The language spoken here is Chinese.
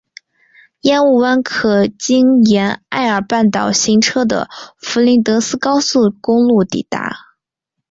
烟雾湾可经沿艾尔半岛行车的弗林德斯高速公路抵达。